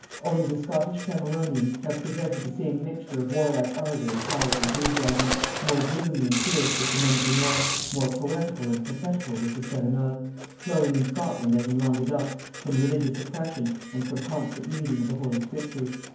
Only the Scottish Cameronians have presented the same mixture of warlike ardor and pious enthusiasm, more gloomy and fierce with the men of the North, more poetical and prophetical with the Cevenols, flowing in Scotland as in Languedoc from religious oppression and from constant reading of the Holy Scriptures.